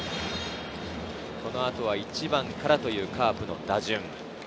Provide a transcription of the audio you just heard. この後は１番からというカープの打順。